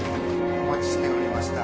お待ちしておりました。